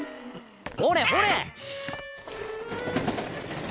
ほれほれ！